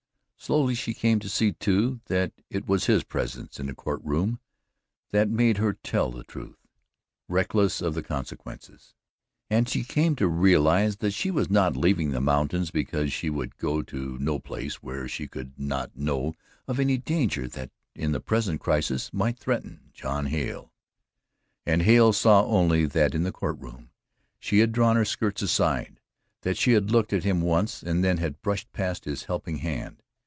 Slowly she came to see, too, that it was his presence in the Court Room that made her tell the truth, reckless of the consequences, and she came to realize that she was not leaving the mountains because she would go to no place where she could not know of any danger that, in the present crisis, might threaten John Hale. And Hale saw only that in the Court Room she had drawn her skirts aside, that she had looked at him once and then had brushed past his helping hand.